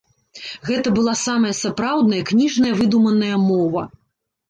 Гэта была самая сапраўдная кніжная выдуманая мова.